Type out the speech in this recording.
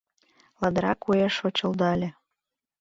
Ладыра куэ шочылдале.